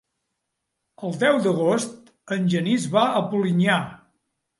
El deu d'agost en Genís va a Polinyà.